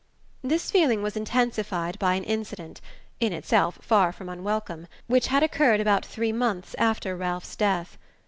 This feeling was intensified by an incident in itself far from unwelcome which had occurred about three months after Ralph's death.